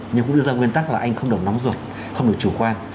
nhưng cũng đưa ra nguyên tắc là anh không được nóng ruột không được chủ quan